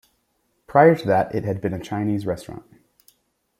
Prior to that it had been a Chinese restaurant.